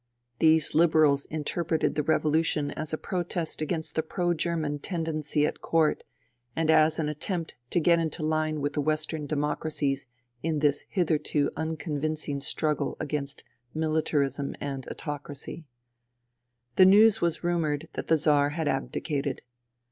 These Liberals interpreted the revolution as a protest against the pro German tendency at court, and as an attempt to get into line with the Western Demo cracies in this hitherto unconvincing struggle against miUtarism and autocracy. The news was rumoured that the Czar had abdicated.